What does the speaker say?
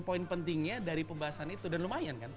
poin pentingnya dari pembahasan itu dan lumayan kan